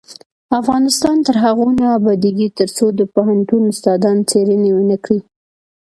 افغانستان تر هغو نه ابادیږي، ترڅو د پوهنتون استادان څیړنې ونکړي.